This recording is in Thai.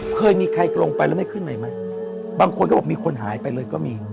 เคยมีใครลงไปแล้วไม่ขึ้นใหม่ไหมบางคนก็บอกมีคนหายไปเลยก็มี